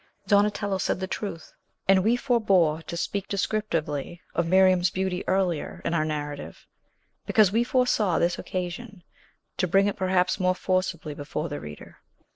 Donatello said the truth; and we forebore to speak descriptively of Miriam's beauty earlier in our narrative, because we foresaw this occasion to bring it perhaps more forcibly before the reader.